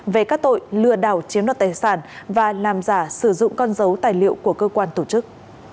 về các tội lừa đảo chiếm đoạt tài sản và làm giả sử dụng con dấu tài liệu của cơ quan tổ chức